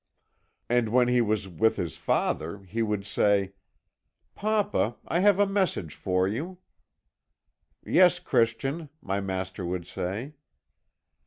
"And when he was with his father he would say: "'Papa, I have a message for you.' "'Yes, Christian,' my master would say.